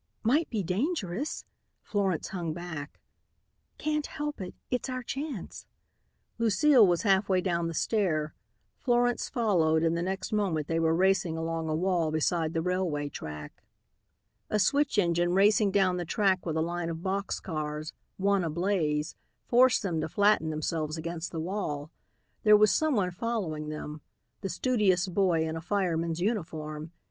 "Might be dangerous," Florence hung back. "Can't help it. It's our chance." Lucile was halfway down the stair. Florence followed and the next moment they were racing along a wall beside the railway track. A switch engine racing down the track with a line of box cars, one ablaze, forced them to flatten themselves against the wall. There was someone following them, the studious boy in a fireman's uniform.